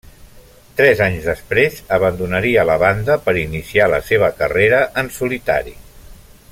Tres anys després abandonaria la banda per iniciar la seva carrera en solitari.